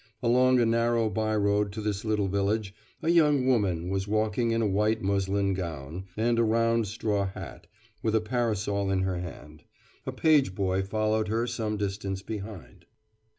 Along a narrow by road to this little village a young woman was walking in a white muslin gown, and a round straw hat, with a parasol in her hand. A page boy followed her some distance behind.